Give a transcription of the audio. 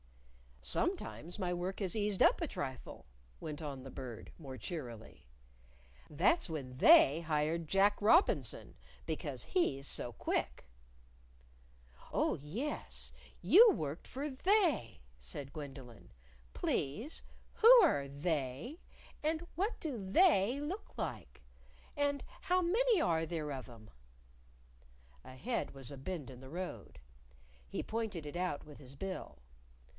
"Sometimes my work has eased up a trifle," went on the Bird, more cheerily; "that's when They hired Jack Robinson, because he's so quick." "Oh, yes, you worked for They," said Gwendolyn. "Please, who are They? And what do They look like? And how many are there of 'em?" Ahead was a bend in the road. He pointed it out with his bill.